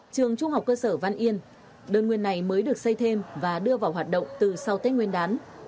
trường trung học cơ sở văn yên đơn nguyên này mới được xây thêm và đưa vào hoạt động từ sau tết nguyên đán